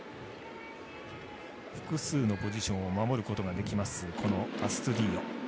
複数のポジションを守ることができますアストゥディーヨ。